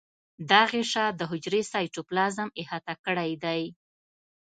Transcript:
دا غشا د حجرې سایتوپلازم احاطه کړی دی.